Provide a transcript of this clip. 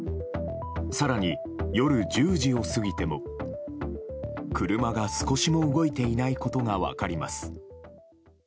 更に夜１０時を過ぎても車が少しも動いていないことが分かります。